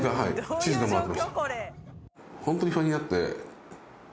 地図が回ってました。